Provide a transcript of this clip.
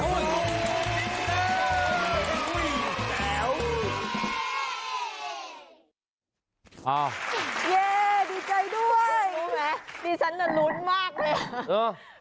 รู้ไหมดิฉันหลุดมากเลย